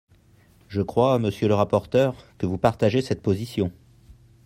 Je crois, monsieur le rapporteur, que vous partagez cette position.